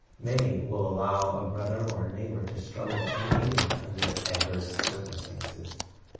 Many will allow a brother or a neighbor to .struggle unaided under adverse circumstances.